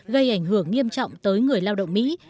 gây ảnh hưởng nghiêm trọng tới người lao động mỹ